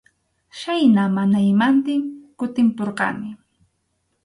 Chhaynam mana imantin kutimpurqani.